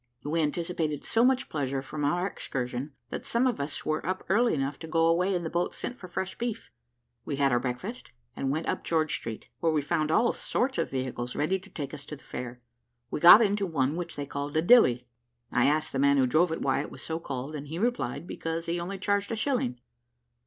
We anticipated so much pleasure from our excursion that some of us were up early enough to go away in the boat sent for fresh beef. We had our breakfast, and went up George Street, where we found all sorts of vehicles ready to take us to the fair. We got into one which they called a dilly. I asked the man who drove it why it was so called, and he replied, because he only charged a shilling.